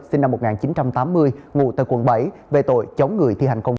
sinh năm một nghìn chín trăm tám mươi ngụ tại quận bảy về tội chống người thi hành công